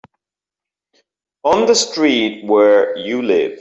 On the street where you live.